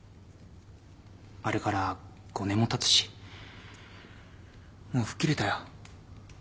あれから５年もたつしもう吹っ切れたよ。